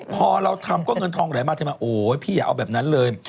พอเราทำก็เงินทองไหลมาเทมาโอ๊ยพี่อย่าเอาแบบนั้นเลย